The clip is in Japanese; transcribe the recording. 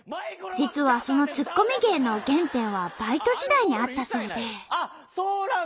実はそのツッコミ芸の原点はバイト時代にあったそうで。